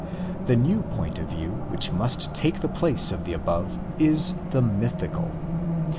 The new point of view, which must take the place of the above, is the mythical.